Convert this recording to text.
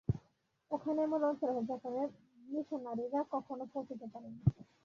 ওখানে এমন অঞ্চল আছে যেখানে মিশনরীরা কখনও পৌঁছিতে পারেন না।